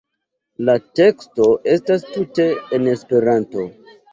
La teksto estas tute en Esperanto.